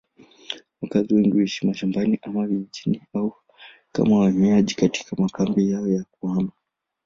Wakazi wengi huishi mashambani ama vijijini au kama wahamiaji katika makambi yao ya kuhama.